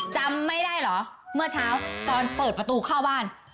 จำไม่ได้เหรอเมื่อเช้าตอนเปิดประตูเข้าบ้าน